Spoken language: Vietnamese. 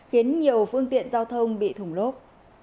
khiến nhiều phương tiện giao thông bị thủng lốp